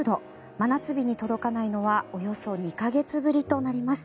真夏日に届かないのはおよそ２か月ぶりとなります。